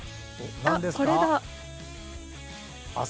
あっ、これだ！